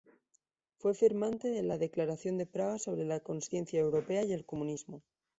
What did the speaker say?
Fue firmante de la Declaración de Praga sobre la conciencia europea y el comunismo.